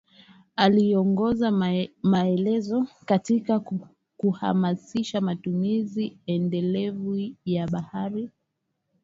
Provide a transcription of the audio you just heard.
Aliongeza maelezo katika kuhamasisha matumizi endelevu ya bahari